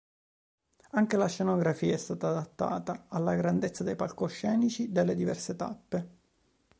Anche la scenografia è stata adattata alla grandezza dei palcoscenici delle diverse tappe.